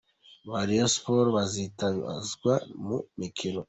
ba Rayon Sports bazitabazwa mu mukino:.